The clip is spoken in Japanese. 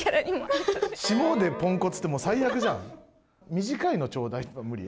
短いのちょうだいとか無理？